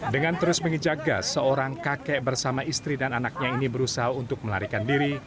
dengan terus mengejak gas seorang kakek bersama istri dan anaknya ini berusaha untuk melarikan diri